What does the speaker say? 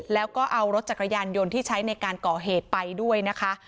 แล้วก็เอารถจักรยานยนต์ที่ใช้ในการก่อเหตุไปด้วยนะคะ